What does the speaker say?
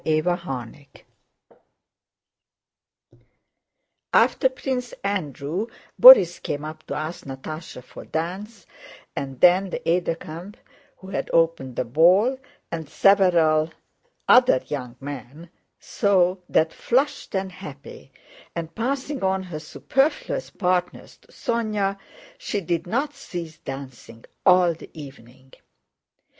CHAPTER XVII After Prince Andrew, Borís came up to ask Natásha for a dance, and then the aide de camp who had opened the ball, and several other young men, so that, flushed and happy, and passing on her superfluous partners to Sónya, she did not cease dancing all the evening.